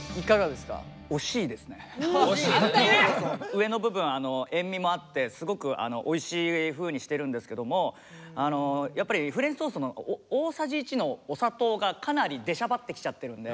上の部分塩味もあってすごくおいしいふうにしてるんですけどもやっぱりフレンチトーストの大さじ１のお砂糖がかなり出しゃばってきちゃってるので。